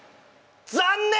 残念！